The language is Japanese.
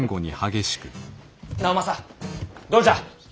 直政どうじゃ？